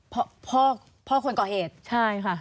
พ่อพ่อคนก่อเหตุใช่ค่ะ